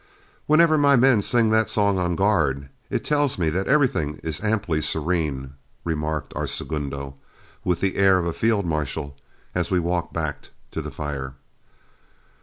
"Whenever my men sing that song on guard, it tells me that everything is amply serene," remarked our segundo, with the air of a field marshal, as we walked back to the fire.